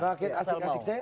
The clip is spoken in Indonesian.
rakyat asik asik saya